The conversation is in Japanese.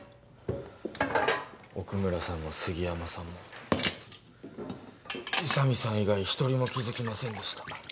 奥村さんも杉山さんも宇佐美さん以外一人も気づきませんでした